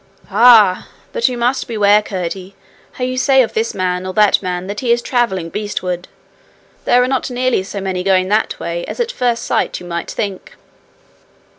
'Ah! But you must beware, Curdie, how you say of this man or that man that he is travelling beastward. There are not nearly so many going that way as at first sight you might think.